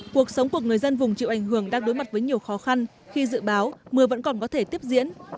cuộc sống của người dân vùng chịu ảnh hưởng đang đối mặt với nhiều khó khăn khi dự báo mưa vẫn còn có thể tiếp diễn